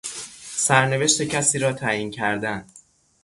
سرنوشت کسی را تعیین کردن